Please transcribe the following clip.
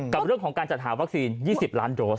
กับเรื่องของการจัดหาวัคซีน๒๐ล้านโดส